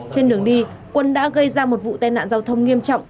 trên đường đi quân đã gây ra một vụ tai nạn giao thông nghiêm trọng